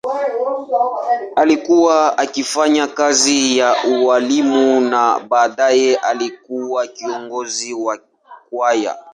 Alikuwa akifanya kazi ya ualimu na baadaye alikuwa kiongozi wa kwaya.